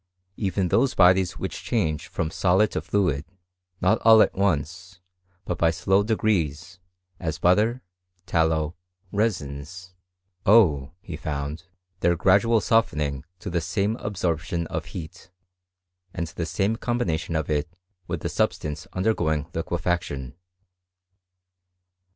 Even those bodies which change from solid to fluid, not all at once, but by slow degrees, as butter, tallow, resins, owe, he found, their gradual softening to the same absorption of heat, and the same combination of it with the substance undergoing lique faction.